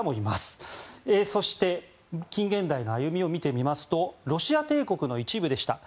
そして近現代の歩みを見てみますとロシア帝国の一部でした。